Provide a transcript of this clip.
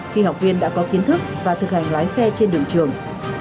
khi học viên đã có kiến thức và thực hành lái xe trên đường trường